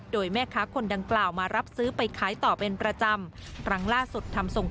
โดยแม่ค้าคนดังกล่าวมารับซื้อไปขายต่อเป็นประจำ